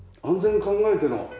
安全考えての。